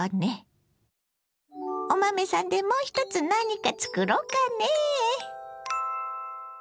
お豆さんでもう一つ何か作ろうかねぇ。